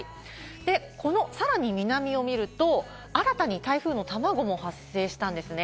で、このさらに南を見ると、新たに台風の卵も発生したんですね。